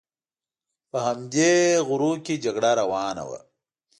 په همدې غرو کې جګړه روانه وه.